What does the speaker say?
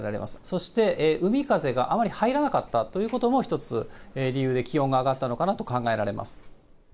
そして、海風があまり入らなかったということも一つ理由で気温が上がったのかなと考えられます。